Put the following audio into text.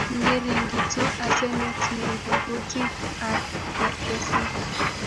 Ngeringitu asenet neibu kutik ak kerbesik